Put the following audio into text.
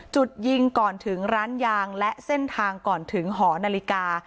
จุดยิงก่อนถึงร้านยางและเส้นทางก่อนถึงหอนาฬิกา